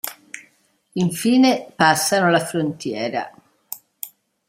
Infine passano la frontiera.